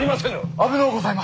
危のうございます。